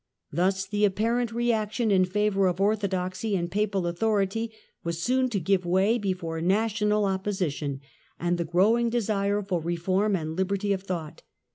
Thus the apparent reaction in favour of orthodoxy and Papal authority was soon to give way before national opposition and the grow ing desire for reform and liberty of thought.